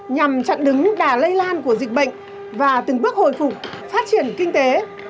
nhằm chặn đứng đà lây lan của dịch bệnh và từng bước hồi phục phát triển kinh tế